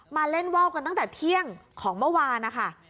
มาเล่นว่าวกันตั้งแต่เที่ยงของเมื่อวานนะคะ